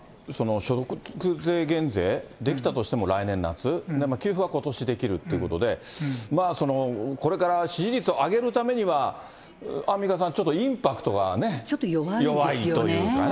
所得税減税、できたとしても来年夏、給付はことしできるということで、これから支持率を上げるためには、アンミカさん、ちょっと弱いですよね。